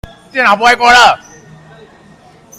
電腦不會過熱